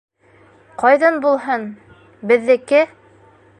— Ҡайҙан булһын, беҙҙеке.